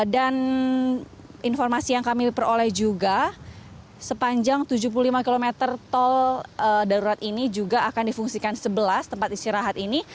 dan informasi yang kami peroleh juga sepanjang tujuh puluh lima kilometer tol dalurat ini juga akan difungsikan sebelas tempat istirahat ini